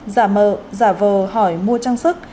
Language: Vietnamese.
giả mờ giả vờ hỏi mua trang sức